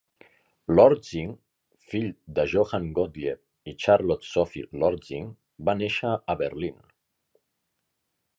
Lortzing, fill de Johann Gottlieb i Charlotte Sophie Lortzing, va néixer a Berlín.